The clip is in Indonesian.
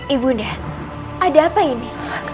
ibu nda ada apa ini